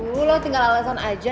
duh lo tinggal alasan aja